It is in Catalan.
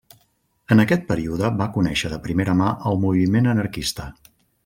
En aquest període va conèixer de primera mà el moviment anarquista.